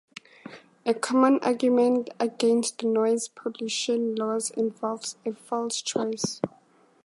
A common argument against noise pollution laws involves a false choice.